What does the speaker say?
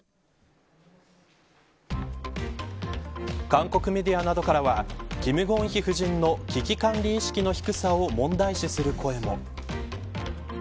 韓国メディアなどからは金建希夫人の危機管理意識の低さを問題視する声も。